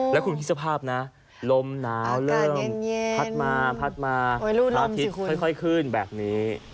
แล้วคุณคิดสภาพนะลมหนาวเริ่มพัดมาพัดมาอาทิตย์ค่อยขึ้นแบบนี้